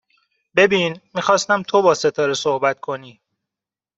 ببین، می خواستم تو با ستاره صحبت کنی